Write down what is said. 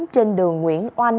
trên đường nguyễn oanh